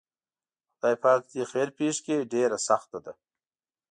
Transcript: خدای پاک دې خیر پېښ کړي ډېره سخته ده.